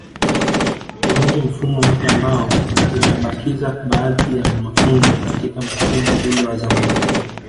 Tuunde mfumo mpya ambao utabakiza baadhi ya mafunzo katika mfumo ule wa zamani